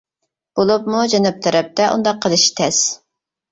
بولۇپمۇ جەنۇب تەرەپتە ئۇنداق قىلىشى تەس.